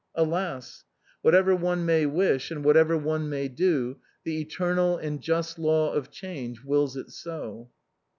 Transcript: Alas ! whatever one may wish and what ever one may do the eternal and just law of change wills it so.